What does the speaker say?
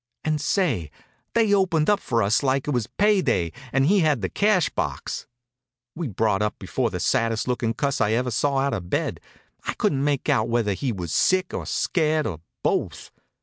And say, they opened up for us like it was pay day and he had the cash box. We brought up before the saddest lookin' cuss I ever saw out of bed. I couldn't make out whether he was sick, or scared, or both.